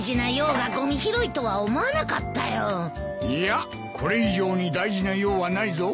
いやこれ以上に大事な用はないぞ。